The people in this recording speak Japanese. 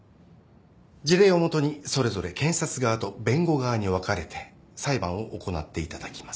事例をもとにそれぞれ検察側と弁護側に分かれて裁判を行っていただきます。